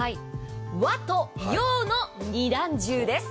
和と洋の２段重です。